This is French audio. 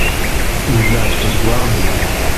Il lui a fait boire des deux.